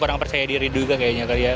orang percaya diri juga kayaknya kali ya